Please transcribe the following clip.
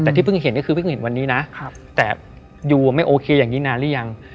แต่ที่เพิ่งเห็นก็คือเพิ่งเห็นวันนี้นะแต่ยูไม่โอเคอย่างนี้นานหรือยัง